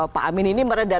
pak amin ini meredah